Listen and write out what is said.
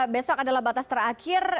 besok adalah batas terakhir